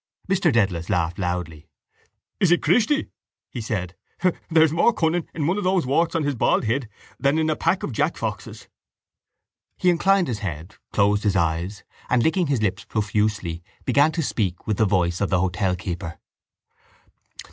Mr Dedalus laughed loudly. —Is it Christy? he said. There's more cunning in one of those warts on his bald head than in a pack of jack foxes. He inclined his head, closed his eyes, and, licking his lips profusely, began to speak with the voice of the hotel keeper.